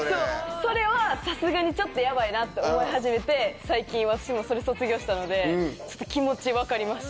それはさすがにちょっとヤバいなって思い始めて最近私もそれ卒業したのでちょっと気持ち分かりました。